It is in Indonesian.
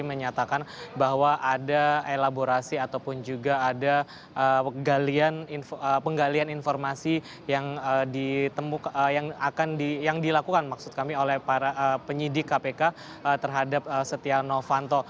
menyatakan bahwa ada elaborasi ataupun juga ada penggalian informasi yang dilakukan maksud kami oleh para penyidik kpk terhadap setia novanto